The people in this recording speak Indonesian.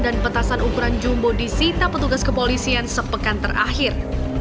dan petasan ukuran jumbo disita petugas kepolisian sepekan terakhir